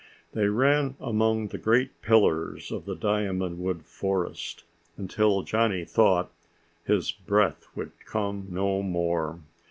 They ran among the great pillars of the diamond wood forest until Johnny thought his breath would come no more.